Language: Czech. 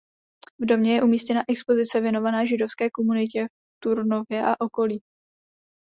V domě je umístěna expozice věnovaná židovské komunitě v Turnově a okolí.